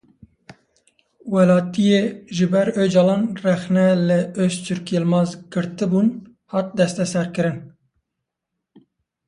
Welatiyê ji ber Ocalan rexne li Ozturk Yilmaz girtibûn hat desteserkirin.